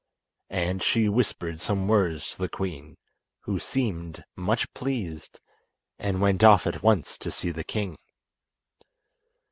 And she whispered some words to the queen, who seemed much pleased, and went off at once to see the king.